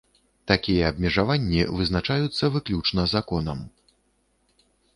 Такія абмежаванні вызначаюцца выключна законам.